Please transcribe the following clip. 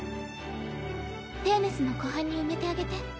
ペーネスの湖畔に埋めてあげて。